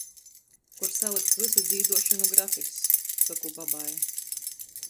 Kur salykts vysu dzīduošonu grafiks, soku babai.